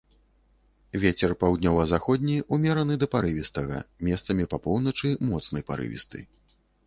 Вецер паўднёва-заходні ўмераны да парывістага, месцамі па поўначы моцны парывісты.